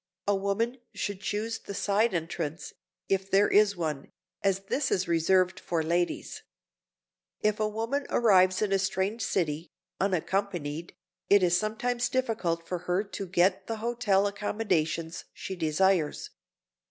A woman should choose the side entrance, if there is one, as this is reserved for ladies. If a woman arrives in a strange city, unaccompanied, it is sometimes difficult for her to get the hotel accommodations she desires.